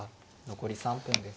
残り３分です。